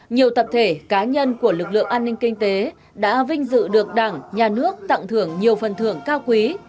nhiều tập thể cá nhân của lực lượng an ninh kinh tế đã vinh dự được đảng nhà nước tặng thưởng nhiều phần thưởng cao quý